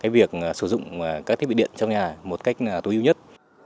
việc sử dụng các thiết bị điện trong nhà một cách tối ưu nhất